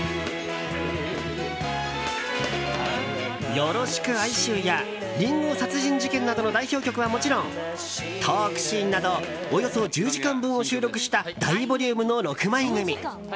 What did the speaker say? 「よろしく哀愁」や「林檎殺人事件」などの代表曲はもちろんトークシーンなどおよそ１０時間分を収録した大ボリュームの６枚組。